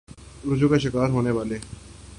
ریچھ اور شکار ہونے والے